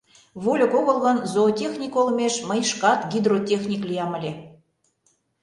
Вольык огыл гын, зоотехник олмеш мый шкат гидротехник лиям ыле.